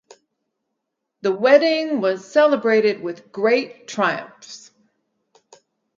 The wedding was celebrated with "great triumphs".